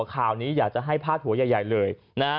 ข่าวนี้อยากจะให้พาดหัวใหญ่เลยนะฮะ